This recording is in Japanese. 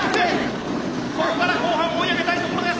ここから後半追い上げたいところです！